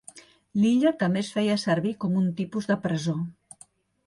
L'illa també es feia servir com un tipus de presó.